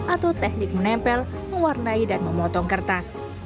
atau teknik menempel mewarnai dan memotong kertas